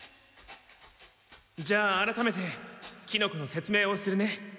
じゃあ改めてキノコの説明をするね。